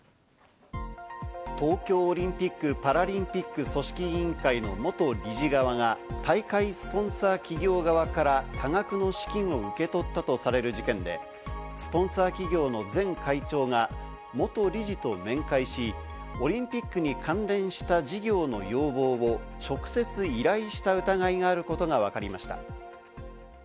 東京オリンピック・パラリンピック組織委員会の元理事側が大会スポンサー企業側から多額の資金を受け取ったとされる事件で、スポンサー企業の前会長が元理事と面会し、オリンピックに関連した事業の要望を直接依頼した疑いがあることがわかりました。